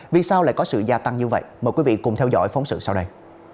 vì sao lại có sự gia tăng như vậy mời quý vị cùng theo dõi phóng sự sau đây